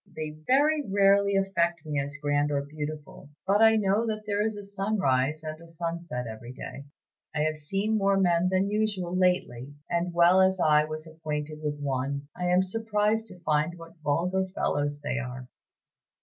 They very rarely affect me as grand or beautiful; but I know that there is a sunrise and a sunset every day. I have seen more men than usual lately; and well as I was acquainted with one, I am surprised to find what vulgar fellows they are."